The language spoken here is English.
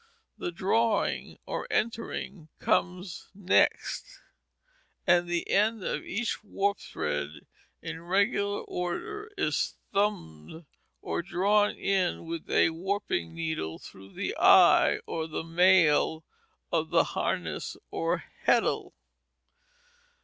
The "drawing" or "entering" comes next; the end of each warp thread in regular order is "thumbed" or drawn in with a warping needle through the eye or "mail" of the harness, or heddle.